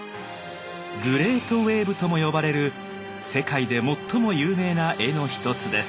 「グレートウエーブ」とも呼ばれる世界で最も有名な絵の一つです。